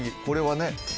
これはね